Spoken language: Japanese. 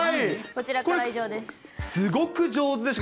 こちらからは以上です。